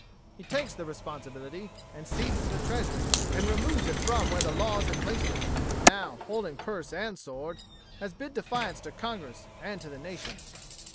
He takes the responsibility, and seizes the treasury, and removes it from where the laws had placed it; and now, holding purse and sword, has bid defiance to Congress and to the nation.